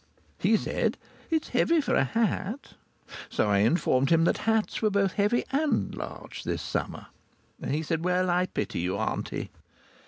He said: "It's heavy for a hat." So I informed him that hats were both heavy and large this summer. He said, "Well, I pity you, auntie!"